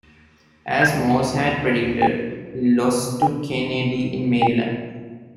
As Morse had predicted, he lost to Kennedy in Maryland.